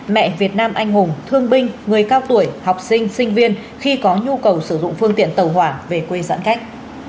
mẹ việt nam anh hùng thương binh người cao tuổi học sinh sinh viên khi có nhu cầu sử dụng phương tiện tàu hỏa về quê giãn cách